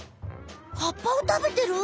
葉っぱをたべてる？